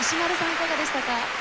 いかがでしたか？